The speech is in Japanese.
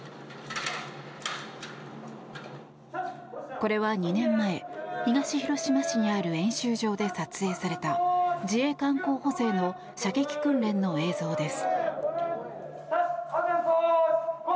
これは２年前、東広島市にある演習場で撮影された自衛官候補生の射撃訓練の映像です。